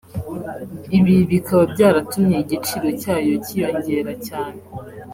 ibi bikaba byaratumye igiciro cyayo cyiyongera cyane